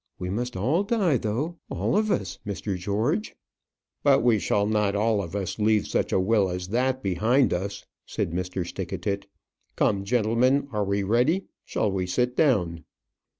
We must all die, though; all of us, Mr. George." "But we shall not all of us leave such a will as that behind us," said Mr. Stickatit. "Come, gentlemen, are we ready? Shall we sit down?"